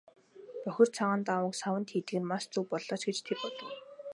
Бохир цагаан даавууг саванд хийдэг нь маш зөв боллоо ч гэж тэр бодов.